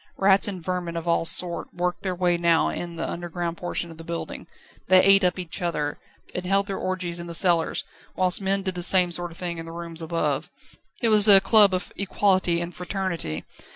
Rats and vermin of all sorts worked their way now in the underground portion of the building. They ate up each other, and held their orgies in the cellars, whilst men did the same sort of thing in the rooms above. It was a club of Equality and Fraternity.